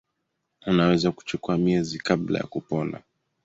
Unaweza kuchukua miezi kabla ya kupona.